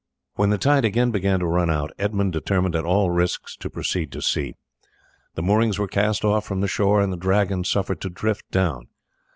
When the tide again began to run out Edmund determined at all risks to proceed to sea. The moorings were cast off from the shore and the Dragon suffered to drift down.